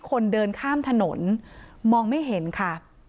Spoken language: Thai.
คนเดินข้ามถนนมองไม่เห็นค่ะ